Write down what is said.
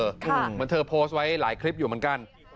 เหมือนเธอโพสต์ไว้หลายคลิปอยู่เหมือนกัน